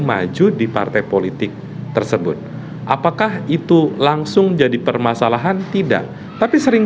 maju di partai politik tersebut apakah itu langsung jadi permasalahan tidak tapi sering